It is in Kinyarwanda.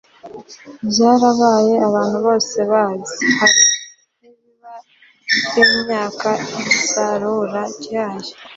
byarabaye abantu bose bazi. hari nk'ibiba ry'imyaka, isarura ryayo